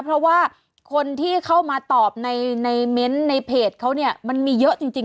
เพราะว่าคนที่เข้ามาตอบในเม้นต์ในเพจเขาเนี่ยมันมีเยอะจริง